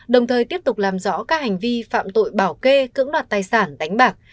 đồng thời tiếp tục làm rõ các hành vi phạm tội bảo kê cưỡng đoạt tài sản đánh bạc